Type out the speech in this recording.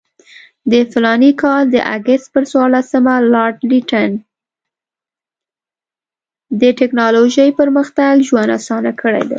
د ټکنالوجۍ پرمختګ ژوند اسان کړی دی.